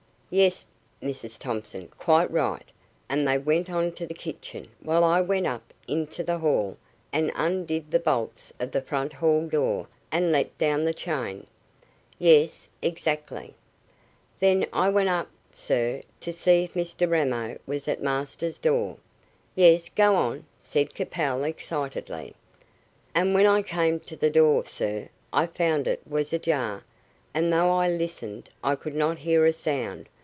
"Yes, Mrs Thompson, quite right, and they went on to the kitchen while I went up into the hall, and undid the bolts of the front hall door, and let down the chain." "Yes exactly." "Then I went up, sir, to see if Mr Ramo was at master's door." "Yes; go on," said Capel, excitedly. "And when I came to the door, sir, I found it was ajar, and though I listened, I could not hear a sound.